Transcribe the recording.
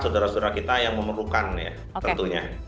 saudara saudara kita yang memerlukan ya tentunya